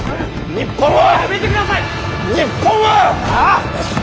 日本は！